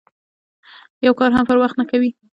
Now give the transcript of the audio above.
یو کار هم پر وخت نه کوي.